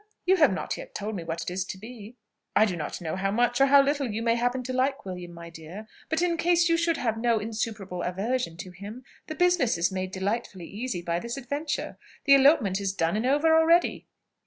you have not yet told me what it is to be. I do not know how much, or how little, you may happen to like William, my dear; but in case you should have no insuperable aversion to him, the business is made delightfully easy by this adventure. The elopement is done and over already."